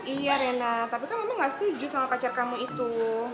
iya rena tapi kan mama nggak setuju sama pacar kamu itu